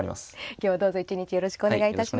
今日はどうぞ一日よろしくお願いいたします。